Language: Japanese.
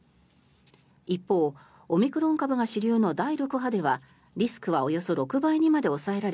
一方、オミクロン株が主流の第６波ではリスクはおよそ６倍にまで抑えられ